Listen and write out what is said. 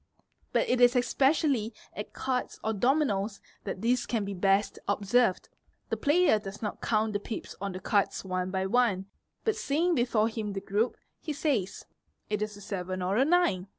But it is especially at cards or dominoes that this can be best observed; the player does not count the pips on the cards one by one but seeing before him the group, he says, "It is a seven or a nine."